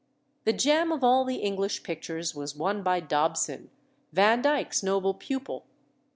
The gem of all the English pictures was one by Dobson, Vandyke's noble pupil.